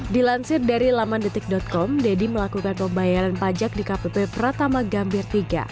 dilansir dari laman detik com dedy melakukan pembayaran pajak di kpp pratama gambir tiga